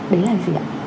đấy là gì ạ